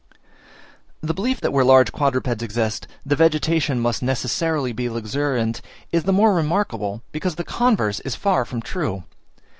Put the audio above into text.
The belief that where large quadrupeds exist, the vegetation must necessarily be luxuriant, is the more remarkable, because the converse is far from true.